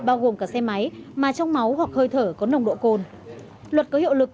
bao gồm cả xe máy mà trong máu hoặc hơi thở có nồng độ cồn luật có hiệu lực